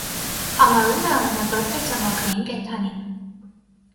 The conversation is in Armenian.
Համարվում է ամենաբարձր ցամաքային կենդանին։